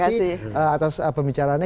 terimakasih atas pembicaraannya